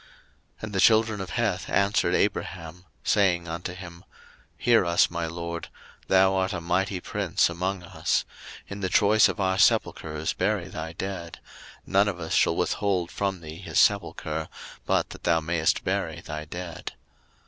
01:023:005 And the children of Heth answered Abraham, saying unto him, 01:023:006 Hear us, my lord: thou art a mighty prince among us: in the choice of our sepulchres bury thy dead; none of us shall withhold from thee his sepulchre, but that thou mayest bury thy dead.